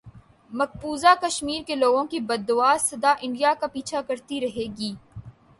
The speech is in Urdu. مقبوضہ کشمیر کے لوگوں کی بددعا سدا انڈیا کا پیچھا کرتی رہے گی